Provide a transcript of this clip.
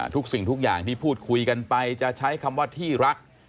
ทุกสิ่งทุกอย่างที่พูดคุยกันไปจะใช้คำว่าที่รัก